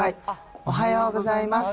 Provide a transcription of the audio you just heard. おはようございます。